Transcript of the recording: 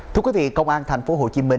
thưa quý vị công an tp hcm